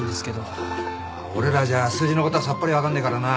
まあ俺らじゃ数字のことはさっぱり分かんねえからな。